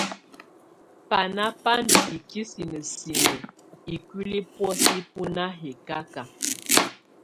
Bana bá ndù ikisinǝ sinǝ ikuili bɔ̀ósɛ bú na hɛkaka.